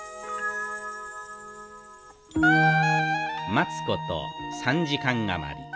待つこと３時間余り。